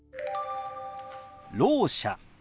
「ろう者」。